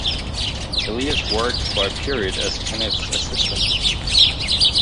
Elias worked for a period as Caniff's assistant.